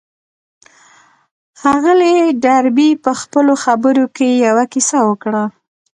ښاغلي ډاربي په خپلو خبرو کې يوه کيسه وکړه.